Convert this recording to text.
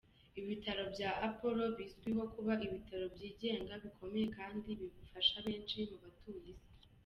Ibitaro bya Apollo bizwiho kuba ibitaro byigenga bikomeye kandi bifasha benshi mu batuye isi.